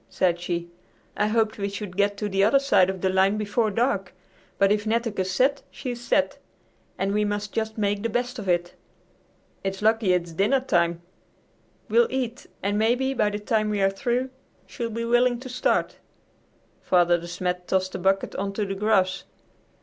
said she; "I hoped we should get to the other side of the line before dark, but if Netteke's set, she's set, and we must just make the best of it. It's lucky it's dinner time. We'll eat, and maybe by the time we are through she'll be willing to start." Father De Smet tossed a bucket on to the grass.